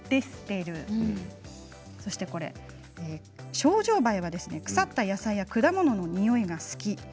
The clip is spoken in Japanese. ショウジョウバエは腐った野菜や果物のにおいが好きなんですね。